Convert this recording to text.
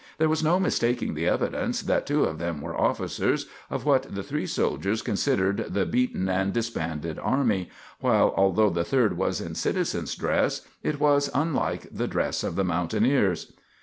There was no mistaking the evidence that two of them were officers of what the three soldiers considered the beaten and disbanded army, while, although the third was in citizen's dress, it was unlike the dress of the mountaineers.